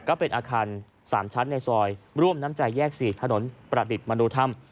ก็เป็นอาคารสามชั้นในซอยร่วมน้ำใจแยกสี่ถนนประดิษฐ์มรูท่ำ